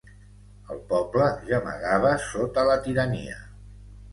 El poble gemegava sota la tirania.